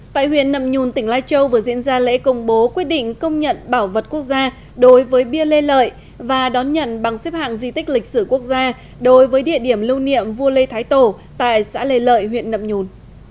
tại huyện nậm nhùn tỉnh lai châu vừa diễn ra lễ công bố quyết định công nhận bảo vật quốc gia đối với bia lê lợi và đón nhận bằng xếp hạng di tích lịch sử quốc gia đối với địa điểm lưu niệm vua lê thái tổ tại xã lê lợi huyện nậm nhùn